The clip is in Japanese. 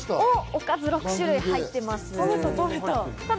おかずが５種類入っています。